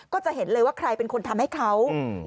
ก็จะเห็นเลยว่าใครเป็นคนทำให้เขา